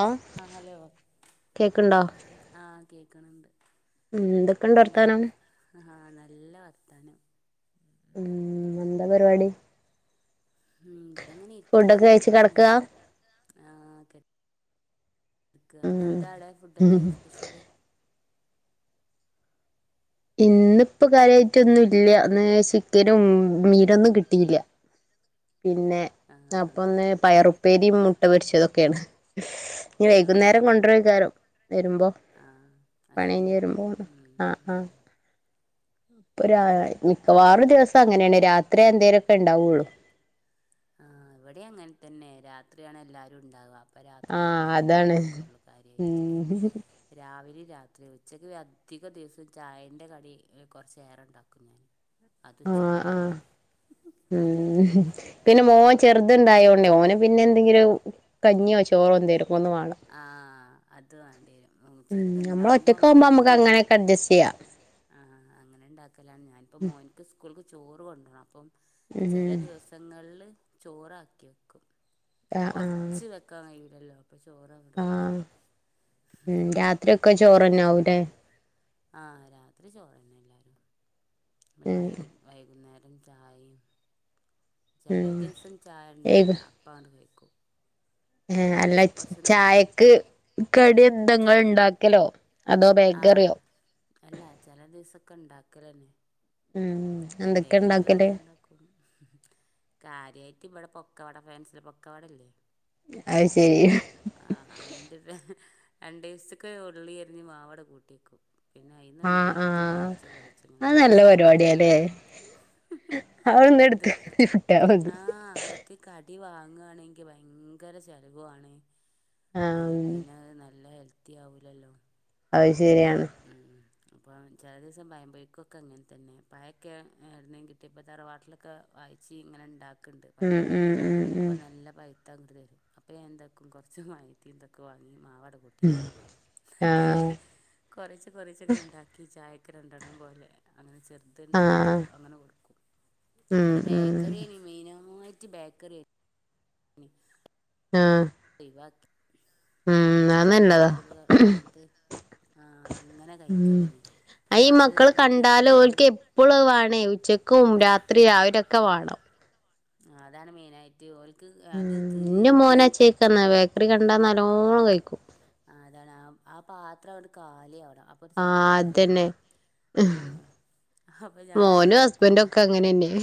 ആ ആഹ ഹലോ കേക്ക്ണ്ടോ ആഹ കേക്കണണ്ട് ഉം എന്തൊക്കെണ്ട് എന്താ വർത്താനം ആഹ നല്ല വർത്താനം ഉം എന്താ പരിപാടി ഉം ഇവിടെങ്ങനെ ഇരിക്കണ് ഫുഡൊക്കെ കഴിച്ച് കെടക്കണ് കെടക്കാ ആഹ എ ഉം എന്താടെ ഫുഡൊക്കെ സ്പെഷ്യല്. ഇന്നിപ്പോൊ കാര്യമായിട്ടൊന്നും ഇല്ല ചിക്കനും മീനൊന്നും കിട്ടിയില്ല. പിന്നെ ആ അപ്പ ഒന്ന് പയറു ഉപ്പ. പെരി മുട്ട പൊരിച്ചതൊക്കെയാണ്. ആ വൈകുന്നേരം കൊണ്ടുവരാനും. വരുമ്പോൾ ആ പണി കഴിഞ്ഞു ഹസ്ബൻഡ് വരുമ്പോൾ ഉം ആ ആ ഉം ഇപ്പൊ മിക്കവാറും ദിവസം അങ്ങനെയാണ് രാത്രി രാത്രിയൊക്കെ എന്തെങ്കിലും ഉണ്ടാവുകയുള്ളൂ. ആ ഇവിടെ അങ്ങനെ തന്നെ രാത്രിയാണ് എല്ലാരും ഉണ്ടാവുക. ആ രാത്രിയൊക്ക് ഫുഡ് അതാണ് ഉണ്ടാക്കുകുള്ള കാര്യമായിട്ട് ഉം രാവിലെ രാ ഉച്ചക്ക് അധികം ദിവസം ചായന്റെ കടി കുറച്ചേറെ ഉണ്ടാക്കും. അത് ഉച്ചയ്ക്കാണ്ട് കഴിക്കും. ഉംഹ് പിന്നെ മോൻ ചെറുതണ്ടായോണ്ടേ മോനും. പിന്നെ എന്തെങ്കിലും കഞ്ഞിയോ ചോറോ എന്തെങ്കിലും. ആഹ അത് മതി ഉം ചെറുത് നമ്മള് ഇണ്ടാവുമ്പോ ഒറ്റക്കാവുമ്പോ നമുക്ക് അങ്ങനെയൊക്കെ അഡ്ജസ്റ്റ് ചെയ്യാം [inaudible] മോൻക്ക് സ്കൂൾ [inaudible] ചോറ് കൊണ്ടണം അപ്പം ഉം ചില ദിവസങ്ങളില് ചോറാക്കി വെക്കും. കൊറച്ച് വെക്കാ കഴ [unintelligible] ആ ഉം രാത്രി ഒക്കെ ചോറെന്നാവൂല്ലേ. ആഹ് രാത്രി ചോറ്ന്നെ എല്ലാരും. പിന്നെ ഉം വൈകി വൈകുന്നേ ചായിം. ചില ഉം ദിവസം ചായ ഉണ്ടാവൂല്ല. അപ്പാണ്ട് കഴിക്കും. ഏഹ് അല്ല ഓലപ്പ കൊറച്ച് നേ ചായക്ക് കടി എന്താ ഇങ്ങള് ഇണ്ടാക്കലോ... അതോ ആ. ബേക്കറിയോ അല്ല ചില ദിവസൊക്കെ ഉണ്ടാ ക്കലന്നെ. ഉം എന്തൊക്കെ എന്തെങ്കിലു ഒക്കെ ഇണ്ടാക്കല് ഇങ്ങെനണ്ടാക്കും. കാര്യാ യ്റ്റിവടെ പൊക്കവാട ഫാൻസിൽ പൊക്കവടല്ലേ അത് ശരി ആ അയിന്റെ ഫേ രണ്ടീസ്ക്ക് ഉള്ളി അരിഞ്ഞ് മാവടെ കൂട്ടിവെക്കും പിന്നെ ആഹ് അയിന്ന്ങ്ങനെ എടുത്ത് ആഹ് കൊറീച്ചെ കൊറീച്ചെങ്ങനെ അത് നല്ല ഇണ്ടാക്കും അവൾന്നെടുത്ത [unintelligible] ങ്ങാണെങ്കി ഭയങ്കര ചെലവു ആണ് ആ ആഹ് പിന്നെ നല്ല ഹെൽത്ത് ത്തിയാവൂലല്ലോ അയ്ശരിയാണ് ഉം അപ്പം ചെലേസം പയംപൊരിക്കൊക്കെ അങ്ങൻതന്നെ പയൊക്കെ എവ്ട്ന്നേങ്കി കിട്ടിയപ്പോ തറവാട്ടിലൊക്കെ [unintelligible] ഇങ്ങനെ ണ്ടാക്കും ക്ക്ണ്ട് പയം ഉം ഉം ഉം ഉം അപ്പനല്ല പയ് താ ങ്ങട്ട് തരും അപ്പ ഞാൻ എന്താക്കും കൊർച്ച് മൈദിം തൊക്കെ വാങ്ങി മാവട് ഉം ആ കൊറിച്ച കൊറിച്ച ങ്ങനെക്കെണ്ടാക്കി ചായ ക്ക് രണ്ടെണ്ണം പോലെ അങ്ങനെ ചെർ ത് ആഹ് ഉണ്ടാക്കിയിട്ട് അങ്ങനെ കൊടുക്കും ഉം ഇബടെ ഉം ബേക്കറി അയിന് മെയ്നാ ച്ച് ബേക്കറി മിക്സ് ആഹ് ഴിവാക്കി ഉം അത് നല്ലതാ വാങ്ങിയിട്ട് ആ അങ്ങനെ ഉ കഴിക്കലേനി അപ്പൊ ഈ അത് മക്കള് കണ്ടാല് കേടുവാണ് ഓല്ക്ക് എപ്പോളും അത് വേണേ ഉച്ചക്കും രാത്രി രാവിലെ ഒക്കെ അക്കവാണം അതാണ് മെയിനായിട്ട് ഓൽക്ക് ഉ അത് തീ ഇന്ന അത് മോനാച്ചേക്കന്ന ബേക്കറി ക കണ്ടാ നല്ലോണം കഴിക്കും അതാണ് ആ പാത്രം അവിടെ കാലിവിട അപ്പൊ ആഹ് സമാധാനം അതന്നെ മോനും ഹസ്ബൻ്റും ഒക്കെ അങ്ങനന്നെയ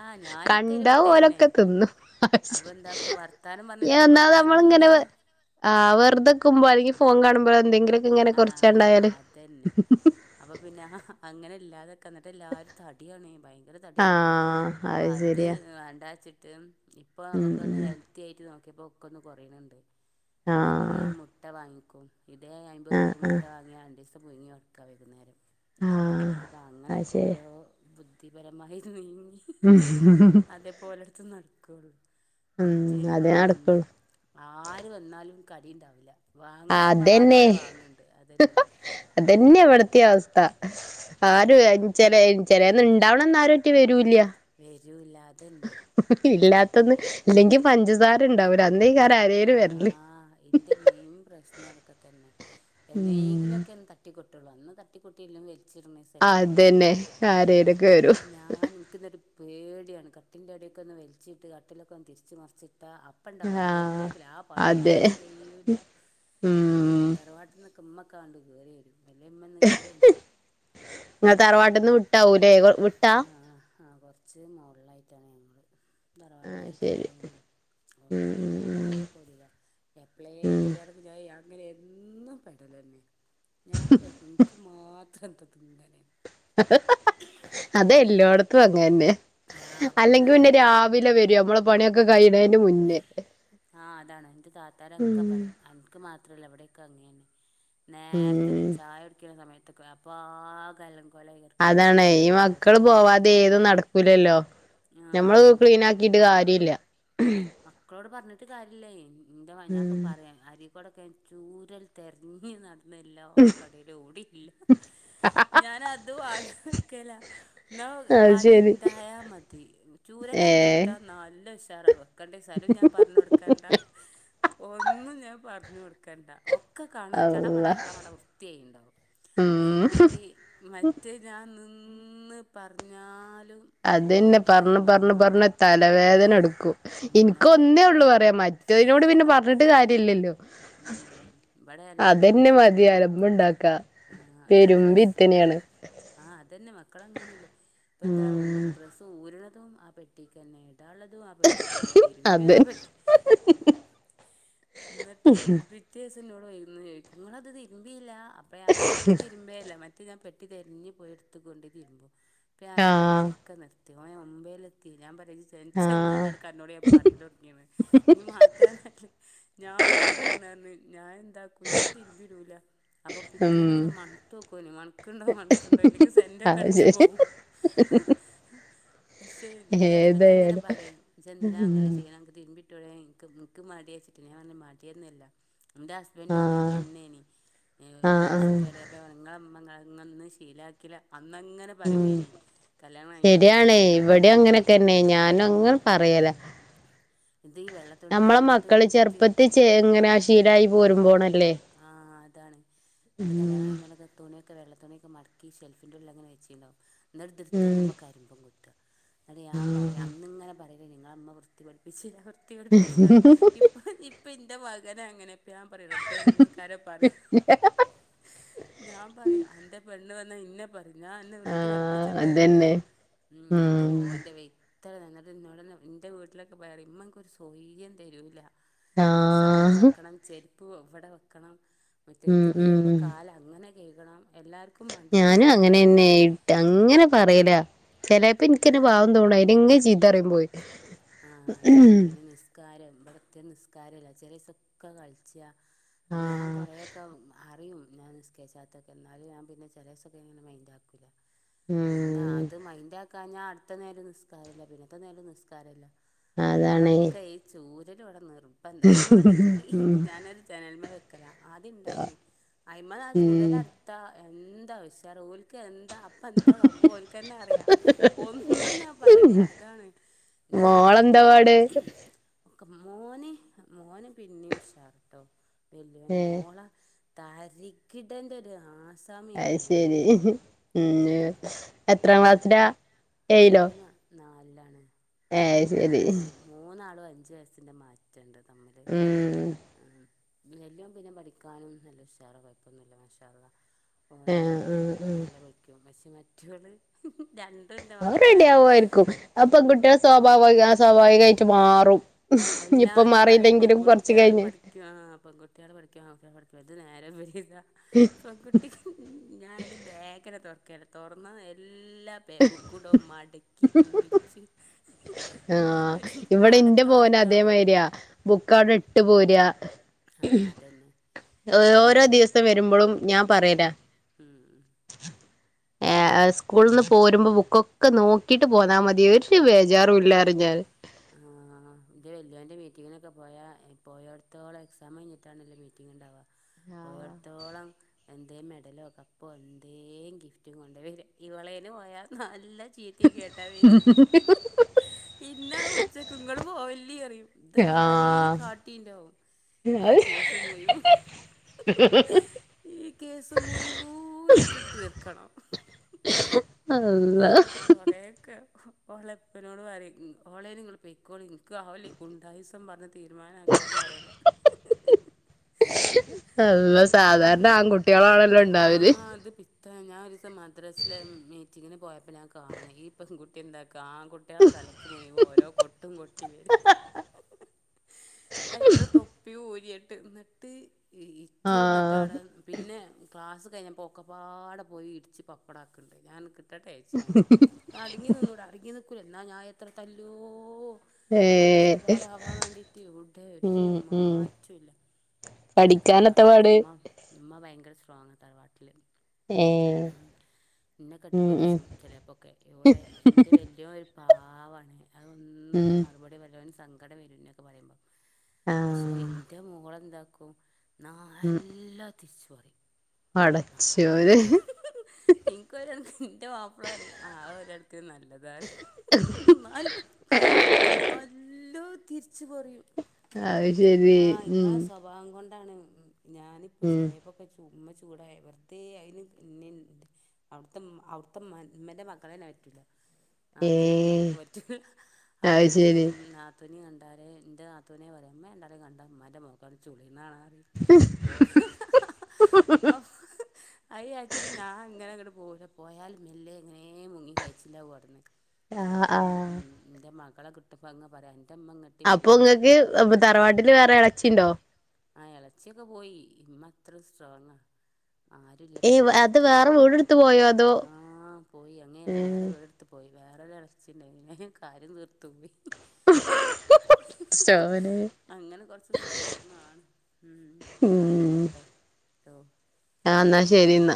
ആഹ് ഞാനൊക്കെ അയില് കണ്ടാ പെട്ടതന്നെ പോലൊക്കെ തിന്നും അപ്പൊ എന്താക്കും വർത്താനം ഞാൻ പറഞ്ഞിരിക്കുമ്പോ ഒന്നാത് നമ്മള് ഇങ്ങനെ വെ അങ്ങനെ മുമ്പാന്നെങ്കി ഫോൺ കാണുമ്പഴോ എന്തെങ്കിലും ആഹ് അതന്നെ അപ്പം പിന്നെ അങ്ങനെ ഇല്ലാതെ ക്ക് എന്നിട്ട് എല്ലാരും തടിയാണേ ഭയങ്കര തടിയാ ആഹ് അപ്പം അത് ശരിയാ വേണ്ടാച്ച് തെം ഇപ്പം ഉം നമുക്കൊന്ന് ഉം ഹെൽത്തി ആയിട്ട് നോ ക്കെ ഇപ്പം ഒക്കൊന്ന് കൊറയുണുണ്ട് പിന്നെ അല്ലെങ്കി ആഹ് ആ മുട്ട വാങ്ങി കും ഇതേ ആഹ് ഇപ്പെക്കും മുട്ട ആഹ് വാങ്ങിയാണ്ട് ഒക്കെ പുഴങ്ങി കൊടുക്കാ വൈകുന്നേരം ആഹ് അപ്പം അത് അങ്ങനൊക്കെ ശരിയാ ഓരോ [unintelligible] പരമായി [unintelligible] അതേ പോലെടുത്ത നടും കൾ മറ്റേ ഉം അതേ ഉം നടക്കുള്ളൂ ആര് വന്നാലും കടി ഉണ്ടാവില്ല വാങ്ങാൻ എമ്പാടും ഇവിടെ വാങ്ങണ് അതന്നെയാ ഇവിടത്തയും അവസ്ഥ ഉം ആരും അഞ്ചന ചെലേന്ന് ഉണ്ടാവണ അന്ന് ആരും ഒറ്റ് വരൂ ഇല്ല്യ [unintelligible] ഇല്ലാത്തൊന്ന് ഇല്ലെങ്കി പഞ്ചസാര ഇണ്ടാവൂല അ [unintelligible] ആരേലും വെരല്ല് അ ഇൻ്റെ മെയിൻ പ്രശ്നം അതൊക്കെ തന്നെ ഏന്നേങ്കിലും ഉം ഒക്കെ ഒന്ന് തട്ടി ട്ടുള്ളു അന്ന് തട്ടിക്കൊട്ടില്ലെ ചിട്ണേസം എല്ലാരും അതന്നെ ഇണ്ടാവും ആരേലൊക്കെ വരും ഐന്നാലും ഞാൻ ഇൻക്കിന്നൊരു പേടിയാണ് കട്ടിൽൻ്റെ അടിയൊക്കൊന്ന് വൽച്ചിട്ട് കട്ടിലൊക്ക ഒന്ന് തിരിച്ച് മറിച്ച് ട്ട അപ്പണ്ടാവും ആഹ് ആരേങ്കിലും ആ പണി അതെ ക്കാനും കയ്യൂല്ല ഇന്നിട്ട് ഉം തറവാട്ട്ന്ന് ഇമ്മക്കാണ്ട് കേറി വരും വലിയ ഉമ്മയൊന്നും കയറിയൊന്നുമില്ല അ തറവാട്ട്ന്ന് ട്ടാവുലേ അ വിട്ടാ ആ ആ കൊർച്ച് മോൾലായിട്ടാണ് ഞങ്ങൾ തറവാട് ആഹ് കൊർച്ച് ശരി തായേണ് ഉം അമ്മന്ന അങ്ങനെ വരേ ഉം ഉം പോലില്ല എപ്പ്ളേലും ഉം വെരാണെങ്കി ഞാ എന്നും പെടെലെന്നെ ഞാൻ വിചാരിച്ചു നിനിക്ക് മാ ഉ തങ്കന അതെ എല്ലോടത്തും അങ്ങന്നെ ആഹ അപ്പൊ അല്ലെങ്കി എന്റെ പിന്നെ താത്താര രാവിലെ ആഹ് വരും നമ്മളെ അപൻ്റെ പണിയൊക്കെ താത്താ കഴിയണേന്റെ മുന്നേ ആ അതാണ് ഇൻ്റെ ഉം താത്താരൊക്കെ പറിറ അൻക്ക് മാത്രല്ല എവിടെക്കെ അങ്ങനേണ് നേരത്തെ വര ഉം ചായ കുടിക്കുന്ന സമയത്ത് ത്തക്കെ അപ്പ ആകെ അല കോലായി കെട്ക്കേക്കാരം അതാണ് കൊറേ ഡ്രസ്സും പര്ന്ന് ലല്ലോ ഞമ്മള് ക്ലീൻ ആക്കിട്ട് കാര്യല്ല മക്കളോട് പർഞ്ഞി ട്ട് കാര്യല്ലെയ് എന്താ ഞാൻപ്പ ഉം പറയാ ആര് ഇവിടൊക്കെൻ ചൂരൽ തെര്ഞ്ഞ് നട് എല്ലാ കടീലു ഔവിടില്ല ഞാൻ അത് വാങ്ങി വെക്കല ഇന്നാ അത് ശരി വടിണ്ടായാ മതി ഏ ചൂരെല്ലങേടുത്ത നല്ല ശ് തറവ് കൊടുക്കണ്ടേ സ്ഥലം ഞാൻ പറഞ്ഞു കൊടുക്കാണ്ടാ ഒന്നും ഞാൻ പർ ഞ് കൊട്ക്കണ്ട ഒ ഒക്കെ കാണാൻ ചടവട അള്ളാ ചടവട വൃത്തിയായിണ്ടാാവും ഉം അയ്നുറ വാണ്ടി മറ്റേ ഞാൻ നി ഇന്ന് പറഞ്ഞാൽ അതനെ പറഞ്ഞ് പറഞ്ഞ പറഞ്ഞ തലവേദന എടുക്കും എനിക്ക എന്നിട്ട് ഒന്നേ ഉള്ളൂ പറയാ മറ്റതിനോട് പിന്നെ പറഞ്ഞിട്ട് കാര്യ ഇല്ലല്ലോ ഉം ഇവിടെ അല്ല അതെന്നെ യൂണിഫോമും മതിയലമ്പ ഉണ്ടാക്കാ ആ പെരുമ്പി ഡ്രസ്സും ഇത്തനെയാണ് ആഹ് ഉ ഡ്രെസ്സുരണ ആതും ആ പെട്ടിക്ക് തന്നൊയിടള്ള അത് ത്തിരുമ്പിട്ടെ എന്നിട്ടത് പിറ്റേസം നിങ്ങളത് തിരുമ്പില്ല അപ്പോം ഞ ഞൻ ഇൾതിരുമ്പേല്ലേ മ പഞൻ പെട്ടി തതിരിഞ്ഞഞ് പോയ എടുത്തുൊണ്ടി തതിരുമ്പോ പിന്ന ഞൻ ആ ആഹ് പരിപാടൊക്കെ നിർത്തും തിവ ഒമ്പേൽെത്തി ഞാൻ പറ ചന്നെ ആഹ് കണോട് ഞാൻ പറയ തുടങ്ങിയന്ന് ഇനി മാറ്റാനല്ല ഞാൻ മാറാണ്ു ഞാൻ എന്താക്കൂ ഞാൻ തിരുമ്പിടൂല്ല അപ്പൊ ഉം പിറ്റേന്ന് ഇങ്ങനെ മണുക്കുന മണക്കുണ്ടോ മണക്കുണ്ടോ ഇല്ലെങ്കിൽ സെറ ഒക്കെ അത് അടിച്ചു ശരി പോകവും പക്ഷെ എന്റെ ഹസ്ബൻഡ എങ്ങനെ ഏതായാലും പറയും ഇ അങ്ങനെ ഉം ചെയ്യാന ത ടെക്ക് മടിയച്ചിട്ട് ഞാ പറഞ്ഞു മാടിയന്നല്ല എൻ്റെ ഹസ്ബൻഡും അങ്ങനെ ആഹ് തന്നെയണ ഒരു ആഹ് ആഹ് ഡ്രസ്സൊക്കെ ഇടയാ അപ്പോം ങ്ങള അതന്നും ശീലക്കില്ല ഉം കഴിഞ്ഞ ഉടനെ ശരിയണേ നിങ്ങളമ്മ ഇവിടെ അങ്ങനൊക്കന്നെ ഞാന അങ്ങെ പറയല ഇത് ഈ വെള്ള തുണിയൊക്കെ നമ്മളെ കൊണ്ടിട്ട് മക്കള് ഉരുട്ടി ചെറുപ്പത്തി വെക്കും ചെ എങ്ങനെ ശീലമായി പോരുമ്പോണ ആഹ് അതാണ് എന്നി കല്യാണം ഉം കഴിഞ്ഞോൊക്കെ തുണിയൊക്കെ വെള്ള തുണിൊക്കെ മ ഷെൽഫിന്റെ ഉള്ള അങ്ങനെ വെച്ചിുണ്ടോ എന്നട്ട്ട്ത്ത് ഉം നോക്കുമ്പ കരിംബം കുത്ത അട ഞാൻ പറയാം അന്നിങ്ങനെ പറയാ നിങ്ങളമ്മ വൃത്തി പടിപ്പിച്ചീല ന്ന് വിര്ത്തിപാടിപ്പിച്ചീല്ലെന്ന് ച്ച ഇപ്പൊ ഇപ്പൊ ന്റെ മകനെ അങ്ങനെക്ക യ ക്കാര പറ ഞാൻ പറയാ അന്റെ പെണ് വ ന്നെ ഇന്നെ പറ... ഞാ എന്ന വൃത്തി ആഹ് പഠിപ്പിച്ചിട്ട എന്നിട്ട് അതന്നെ ഉ എന്നിട്ട് ഉം ഓ എറെ വ ഇത്രയും നല്ലത് ഇന്നോട എൻ്റെ വീട്ടിലൊക്കെ പോയാല് ഇമ്മൻക്കൊരു സൊയ്ര്യം തരൂല്ല ഡ്രെസ്സ് അവടെ ആഹ് വെക്കണം ചെരി പുവൊ ഇവിടെ വെക്കണം ഉം മുറ്റത്ത് കയറുമ്പോ ഉം കാല് അങ്ങനെ കേയ്കണം ഞാനും അങ്ങനെന്നെ ഇട്ട് അങ്ങനെ പറയലാ ചെലേപ്പോ ൻക്കെന്നെ പാവം തോന്നും അയിനിങ്ങെ ചീത്തറിയുമ്പോ ആ അതന്നെ പിന്നെ നിസ്കാരം വിടെത്തെ നിസ്കാരല്ല ചെലെസൊക്കെ കളിച്ച അത് ഞാൻ ആഹ് കൊറെയൊക്കെ അറിയും ഞാൻ നിസ്കച്ച അകത്തൊക്കെ എന്നാലും ഞാ പിന്നെ ചില ദിവസൊക്കെ ഇങ്ങെ മയ്ൻഡാക്കൂല്ല പിന്നെ ഉം അത് മൈൻ്റാ ഞാൻ അടുത്ത നേരം നിസ്കാരല്ല പിന്നത്തെ നേരം നിസ്കാ സാരല്ല അതാണ് അപ്പളൊക്കെ ഈ ചൂ ബലിവിടെ നിർ അപ്പൊ എന്തായാലും ൻക്ക് ഉം ൻക്ക് ഞാനൊരു ജനൽമേ വേ ക്കരാ ആദ്യം ണ്ടായിന അയിമ്മന്നാ ഉം ചൂരലാട്താ എന്താാഉഷാർ ഓൽക്ക് എൻ ന്താ അപ്പൊ എന്താ സംഭവം ഓൽക്ക്ന്നെ അറിയാ ഒന്നും ഞാൻ പറയണ്ട അതാണ് എൻ്റെ താത്താരൊക്കെ മോളെന്താപാട് മോന് മോന് പിന്നെയും ഉഷാറ് ട്ടോ വെല്യോൻ ഏഹ് മോള തരികിടന്റെ ഒരു ആ അയ്ശെരി പിന്നെ എത്രാം ക്ലാസ്സിലാ? ഏയിലോ? ലാണ് ഹെ ശരി അഞ്ച് വയസ്സിൻ്റെ മാറ്റം ണ്ട് തമ്മിൽ ഉം ആ വെല്യോൻ പിന്നെ പഠിക്കാനും നല്ല ഉഷാറാ കൊഴപ്പൊന്നുല്ല മാഷാല്ലാ ഓനേ ആഹ് ആഹ് നല്ല പഠിക്കും പക്ഷേ ഇ [inaudible] അത്‌ റെഡി ആവുആയിരിക്കും അത് പെൺകുട്ട്യാള് സ്വാഭാവിക സ്വാഭാവികായ്റ്റ് മാറ് റും എല്ലാരും പറിം പെൺകുട്ട്യാള് കഴിഞ്ഞ് പഠിക്കാണ്ന്ന് പെൺകുട്ട്യാള് പഠിക്ക ആൺ അത് നേരം വൈകാ പെൺകുട്ടി ഞാൻ അയിന്റെ ബേഗന്നെ തോർക്കെല്ല തുറന്നത് എല്ല എല്ലാ പേ ബുക്കൂണ്ടാകും മടക്കി ചൂളിച്ച് ആ ഇവിടെ ന്റെ പോന് പണിക്കാ പോലെ അതേമതിരിയാ ബുക്കടെട്ട് പോരാ ആ അതെന്നെ ഓരോ ദിവസം വരുമ്പളും ഞാം പറയലാ ഉം ഏ സ്കൂൾന്ന് പോരുമ്പോ ബുക്കൊക്കെ നോക്കിട്ട് പോന്നാ മതി ഒരു ബേജാറും ഇല്ലാറിഞാന് ആ ഇന്റെ വല്ല്യോന്റെ മീറ്റിംഗിനൊക്കെ പോയാ പോയട്ത്തോളം എക്സാം കഴിഞ്ഞിട്ടാണല്ലോ മീറ്റിംഗങ് ഉണ്ടാവുക പോയോട്ത്തോളം എന്തേ മെഡലോ കപ്പോ എന്തേ ഗിഫ്റ്റും കൊണ്ടാ വരാ ഈവളേന് പോയാ നല്ല ചീത്തിങ്കേട്ടാ വര ഇന്നെ അവിടെ പുട് [unintelligible] ഇങ്ങള് പോവല്ലീപറയും ഇത് ആരേം ആഹ് കാട്ടീണ്ടാകും ആ കേസ് മുഴുവൻ ഈ കേസ് മുഴുവൻ ഊഇൻക്ക് തീർക്കണം ഞാൻ അള്ളാ എന്നിട്ട് കൊറെേയൊക്കെ ഓളെപ്പനോട്പറിം ഉം ഓൺലൈന് ങ്ങള് പോയ്ക്കോളിന്ന് ക്ക് ആവല്ലേ ഗുണ്ടായ്സം പറഞ്ഞ് തീരുമാനക്കാൻ അറില്ല അള്ളാ സാധാരണ [unintelligible] ആൺകുട്ടികളാണല്ലോ ആ ഉണ്ടാവല് ആത് താ ഞാൻ ഒരീസം തെ മദ്രസിലെ മീറ്റി റ്റിങ്ങിന് പോയപ്പ ഞാൻ കാണും ഈ പെൺകുട്ടി ത്യന്താക്ക ആൺകുട്ട്യാളെ തലക്ക് മുയുവോ ഓരോ കൊട്ട് കൊട്ടി വരും അയിന്റാളെ തൊപ്പ്യും ഊരിയിട്ട് ന്ന്ട്ട് ആഹ് ഇറ്റൾന്ന്ട്ടാണ് പിന്നെ ക്ലാസ് ഇത് കഴിഞ്ഞപ്പോ ഒക്കപ്പാടെ പോയി ഇടിച്ച് പപ്പടാക്ക്ണ്ട് ഞാൻ ട്ടേച്ചാ അടങ്ങി നിന്നൂടെ അടങ്ങി നിക്ക് ക്കുല എന്നാ ഞാൻ എത്ര തല്ലോ നല്ല സ്വഭാവ ഏഹ് ആവാൻ വേണ്ടിട്ട് എവ്ടെ ഉം ഒരു ഉം മാറ്റുല്ല ഇവിടെ പഠിക്കാനത്ത തറവാട്ടിലൊക്കെ പാട് ഇമ്മ ഇമ്മ ഭയങ്കര സ് സ്ട്രോങ്ങാ തറവാട്ടില് ഏ ഇന്ന കെട്ടി ഉം ഉം പൊരിച്ചും ചിലപ്പോക്കെ എവ്ടെ ഇന്റെ വല്ല്യോന് പാവാണ് ത് അതൊന്ന് ഉമ് സങ്കടം വരു ഇന്നൊക്കെ പറയുമ്പോൾ പക്ഷെ ആഹ് എന്റെ മോളെന്താ ക്കും ഉം നാല്ല തിച്ചുപറയും ആഹ പടച്ചോനെ എനിക്ക് പകരംഎന്റെ മാപ്പിള പറയും അ ഒരാൾക്ക് നല്ലതാണ് എന്നാലും നാൽ ല്ലോ തിരിച്ചു പറയും എ അത് ശരി ആഹ് ഉം ഇങ്ങളെ സ്വഭാവം കൊണ്ട- താണ് ഞാനിപ്പോ ഉം ചെലെപ്പൊക്കെ ചുമ്മ- ചൂടായി വെറുതെ അയിന് ന്നെ അവിടുത്തെ അവിടുത്തെ മ്മാ മ്മൻ്റെ മക്കളെന്നെ വരത്തില്ല നത്തുനെ ഏഹ് ഇമ്മക്ക് പറ്റുല്ല അപ്പൊ അത് എന്നെങ്ങും ശരി നത്തു- ത്തുന്നെ കണ്ടാലെ എന്റെ നത്തുനെ പറയും ഉമ്മ [unintelligible] കണ്ടാൽ ഉമ്മൻ്റെ മോൾക്ക് അത് ചുളി നാറി ഓ ഓ ഹ് അയെച്ച് ഞാൻ ഇങ്ങനെ കൂടെ പോയാ മെല്ലെ ഇങ്ങനെ മുങ്ങി കഴിച്ചില്ല വുടുന്നേ ക്കെ ആ ആ മക്കളെ കിട്ടുമ്പങ്ങ് പറയാൻ അപ്പൊ ഇങ്ങൾക്ക് തറവാട്ടില് വേറെ എളച്ചിണ്ടോ ആ എളച്ചിയൊക്കെ പോയി ഇമ്മ അത്രെ സ്ട്രോങ്ങാ ആരുല്ല ഇപ്പ ഏയ് അത് ഇമ്മൻ്റെടുത്ത് വേറെ വീടെടുത്ത് പോയോ അതോ ആമ് പോയി [unintelligible] വേറെ വിടെടുത്ത് പോയി അങ്ങനനെ വേറെ ഏഹ് ഒടെ അടുത്ത് പോയി വേറൊരെളച്ചുണ്ട് [unintelligible] കാര്യം തീർത്തു പോ- സ്റ്റോനെ അങ്ങനെ കൊറച്ച് സ്ട്രോങ് ആണ് ഉമ് എന്നാ ഉം ആയിക്കോട്ടെ ട്ടോ ആഹ് ന്നാശരിന്നാ